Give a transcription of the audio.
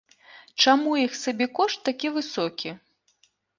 Чаму іх сабекошт такі высокі?